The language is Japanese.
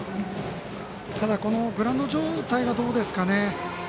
このグラウンド状態がどうですかね。